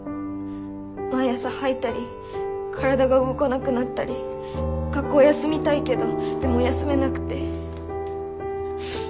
毎朝吐いたり体が動かなくなったり学校休みたいけどでも休めなくて。